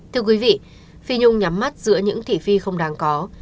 thưa quý vị phi nhung nhắm mắt giữa những kỷ phi không đáng có